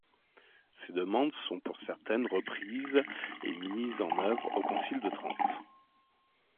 Ces demandes sont pour certaines reprises et mises en œuvre au Concile de Trente.